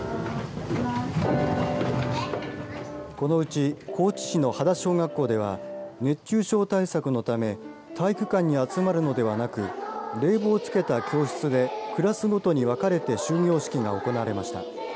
このうち、高知市の秦小学校では熱中症対策のため体育館に集まるのではなく冷房をつけた教室でクラスごとに分かれて終業式が行われました。